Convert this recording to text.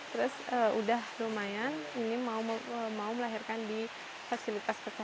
terus udah lumayan ini mau melahirkan di fasilitas kesehatan